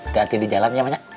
tati di jalan ya mak